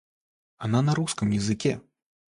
Она на русском языке